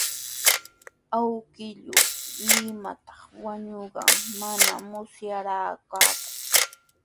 Awkilluu Limatraw wañunqan manami musyarqaaku.